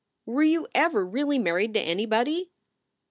Were you ever really married to anybody?"